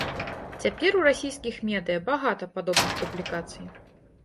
Цяпер у расійскіх медыя багата падобных публікацый.